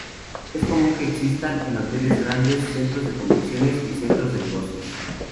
Es común que existan en hoteles, grandes centros de convenciones y centros de negocios.